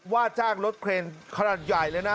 ว่าจ้างรถเครนขนาดใหญ่เลยนะ